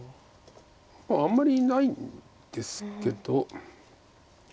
もうあんまりないんですけど。